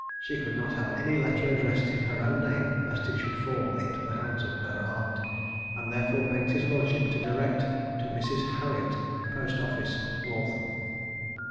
She could not have any letter addressed in her own name lest it should fall into the hands of her aunt, and therefore begged his lordship to direct to Mrs. Harriet, Post office, Waltham."